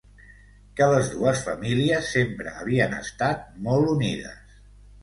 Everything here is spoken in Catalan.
Que les dues famílies sempre havien estat molt unides.